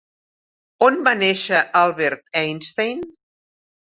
On va néixer Albert Einstein?